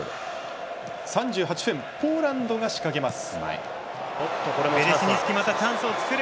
３８分ポーランドが仕掛けます。